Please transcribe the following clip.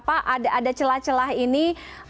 ada celah celah ini